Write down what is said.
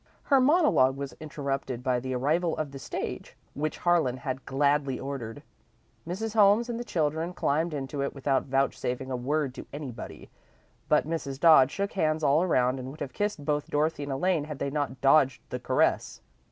Her monologue was interrupted by the arrival of the stage, which Harlan had gladly ordered. Mrs. Holmes and the children climbed into it without vouchsafing a word to anybody, but Mrs. Dodd shook hands all around and would have kissed both Dorothy and Elaine had they not dodged the caress.